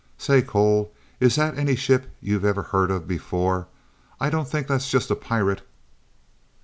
"Say Cole, is that any ship you ever heard of before? _I don't think that's just a pirate!